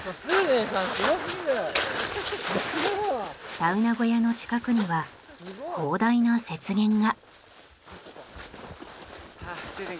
サウナ小屋の近くには広大な雪原が。